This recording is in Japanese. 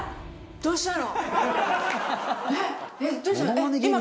どうしたの？